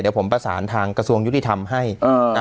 เดี๋ยวผมประสานทางกระทรวงยุติธรรมให้นะ